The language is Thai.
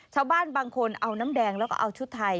ชาวบ้านบางคนเอาน้ำแดงแล้วก็เอาชุดไทย